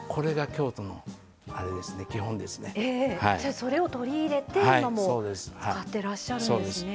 それを取り入れて今も使ってらっしゃるんですね。